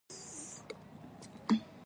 اکثره يې د همدغو لغړیانو په لومه کې بندېږي.